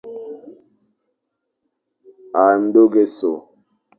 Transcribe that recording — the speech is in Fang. A ndôghe so,